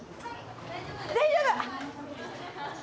大丈夫？